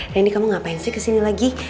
randy kamu ngapain sih kesini lagi